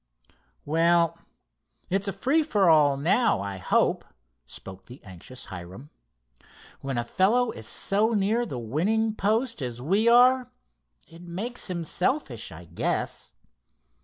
"Well, it's a free for all now, I hope," spoke the anxious Hiram. "When a fellow is so near the winning post as we are, it makes him selfish, I guess.